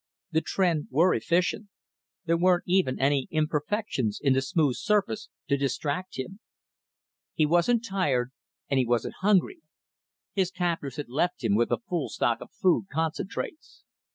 The Tr'en were efficient; there weren't even any imperfections in the smooth surface to distract him. He wasn't tired and he wasn't hungry; his captors had left him with a full stock of food concentrates.